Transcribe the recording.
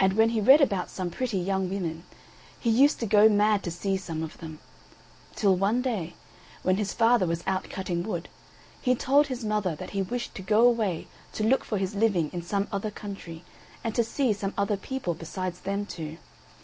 And when he read about some pretty young women, he used to go mad to see some of them; till one day, when his father was out cutting wood, he told his mother that he wished to go away to look for his living in some other country, and to see some other people besides them two.